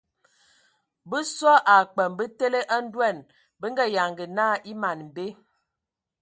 Bə soe a kpəm bətele a ndoan bə nga yanga na e man be.